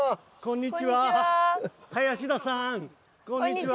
こんにちは！